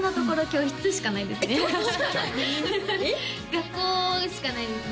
学校しかないですね